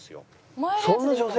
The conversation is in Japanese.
そんな女性が？